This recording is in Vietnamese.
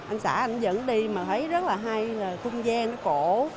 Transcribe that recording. anh xã anh dẫn đi mà thấy rất là hay là không gian cổ